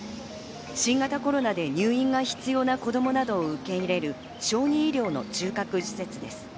新型コロナで入院が必要な子供などを受け入れる、小児医療の中核施設です。